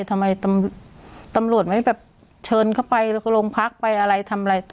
ทำไมตำรวจไม่แบบเชิญเข้าไปโรงพักไปอะไรทำอะไร